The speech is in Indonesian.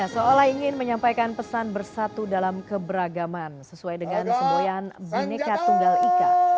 seolah ingin menyampaikan pesan bersatu dalam keberagaman sesuai dengan semboyan boneka tunggal ika